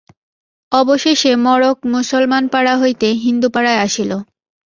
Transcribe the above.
অবশেষে মড়ক মুসলমানপাড়া হইতে হিন্দুপাড়ায় আসিল।